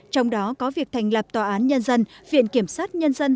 trong đó có việc thành lập tòa án nhân dân viện kiểm sát nhân dân